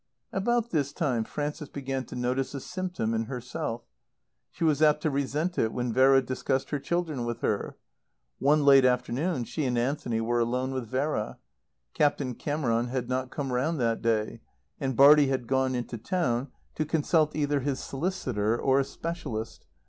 About this time Frances began to notice a symptom in herself. She was apt to resent it when Vera discussed her children with her. One late afternoon she and Anthony were alone with Vera. Captain Cameron had not come round that day, and Bartie had gone into town to consult either his solicitor or a specialist.